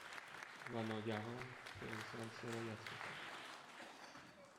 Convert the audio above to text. و ناگهان، به انسان سرایت میکند